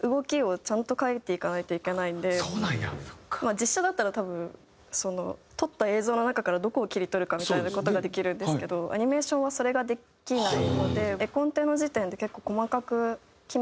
実写だったら多分撮った映像の中からどこを切り取るかみたいな事ができるんですけどアニメーションはそれができないので絵コンテの時点で結構細かく決めていかないといけない。